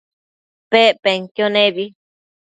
Pec penquio nebi